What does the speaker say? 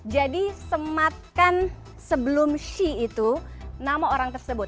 jadi sematkan sebelum she itu nama orang tersebut